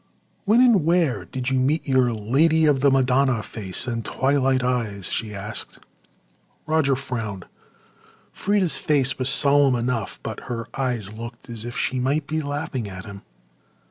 "When and where did you meet your lady of the Madonna face and twilight eyes?" she asked. Roger frowned. Freda's face was solemn enough but her eyes looked as if she might be laughing at him.